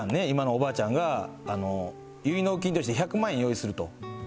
今のおばあちゃんが結納金として１００万円用意すると。